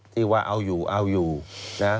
ที่ว่าเอาอยู่เอาอยู่นะ